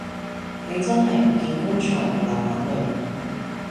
你真係唔見棺材唔流眼淚